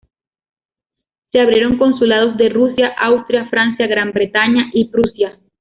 Se abrieron consulados de Rusia, Austria, Francia, Gran Bretaña y Prusia.